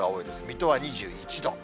水戸は２１度。